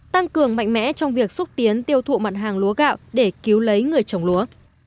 tăng cường mạnh mẽ trong việc xúc tiến tiêu thụ mặt hàng lúa gạo để cứu lấy người trồng lúa